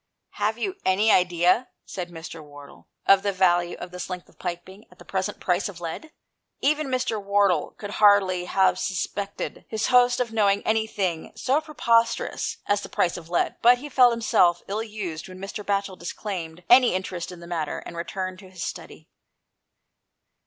" Have you any idea," said Mr. Wardle, " of the value of this length of piping, at the present price of lead ?" Even Mr. Wardle could hardly have sus pected his host of knowing anything so pre posterous as the price of lead, but he felt himself ill used when Mr. Batchel disclaimed any interest in the matter, and returned to his study.